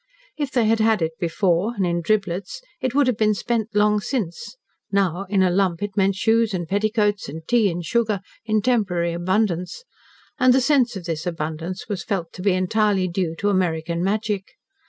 If they had had it before, and in driblets, it would have been spent long since, now, in a lump, it meant shoes and petticoats and tea and sugar in temporary abundance, and the sense of this abundance was felt to be entirely due to American magic.